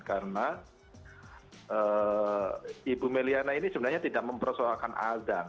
karena ibu may liana ini sebenarnya tidak mempersoalkan adan